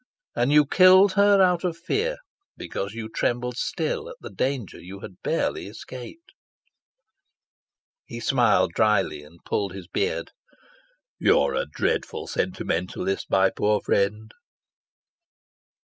And you killed her out of fear, because you trembled still at the danger you had barely escaped." He smiled dryly and pulled his beard. "You are a dreadful sentimentalist, my poor friend."